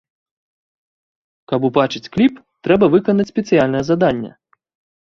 Каб убачыць кліп, трэба выканаць спецыяльнае заданне.